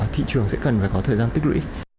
thị trường sẽ cần phải có thời gian tích lũy